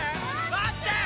待ってー！